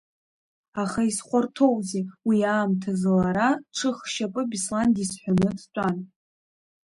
Аха изхәарҭоузеи, уи аамҭазы лара Ҽы-хшьапы Беслан дизҳәаны дтәан.